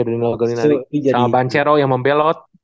sama bancero yang membelot